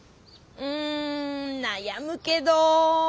うんなやむけど。